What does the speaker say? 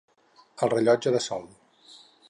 El rellotge de sol.